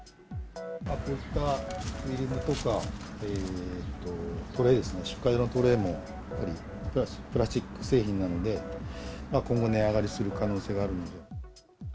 こういったフィルムとか、これですね、出荷用のトレーもやっぱりプラスチック製品なので、今後、値上がりする可能性があるので。